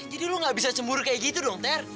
jadi lo nggak bisa cemburu kayak gitu dong ter